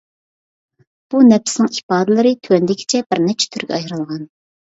بۇ نەپسنىڭ ئىپادىلىرى تۆۋەندىكىچە بىر نەچچە تۈرگە ئايرىلغان.